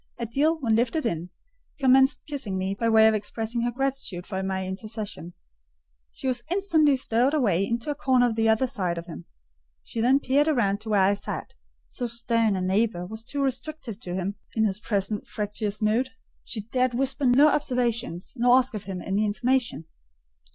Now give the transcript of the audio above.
Adèle, when lifted in, commenced kissing me, by way of expressing her gratitude for my intercession: she was instantly stowed away into a corner on the other side of him. She then peeped round to where I sat; so stern a neighbour was too restrictive: to him, in his present fractious mood, she dared whisper no observations, nor ask of him any information.